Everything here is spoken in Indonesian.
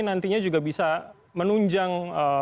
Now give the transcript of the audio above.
nantinya juga bisa menunjang